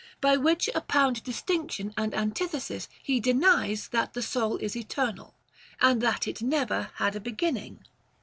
By which apparent distinction and antithesis he denies that the soul is eternal, and that it never had a beginning.